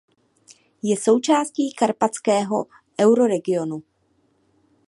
Je součástí karpatského euroregionu.